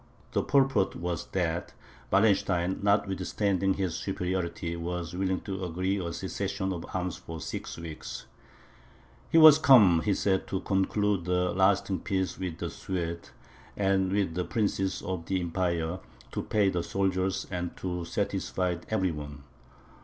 The purport was, that Wallenstein, notwithstanding his superiority, was willing to agree to a cessation of arms for six weeks. "He was come," he said, "to conclude a lasting peace with the Swedes, and with the princes of the empire, to pay the soldiers, and to satisfy every one.